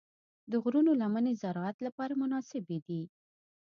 د غرونو لمنې د زراعت لپاره مناسبې دي.